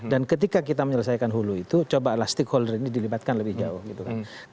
dan ketika kita menyelesaikan hulu itu coba elastik holder ini dilibatkan lebih jauh gitu kan